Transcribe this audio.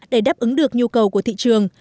để đáp ứng được nhu cầu của thị trường